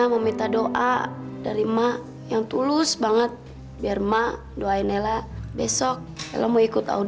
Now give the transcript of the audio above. sampai jumpa di video selanjutnya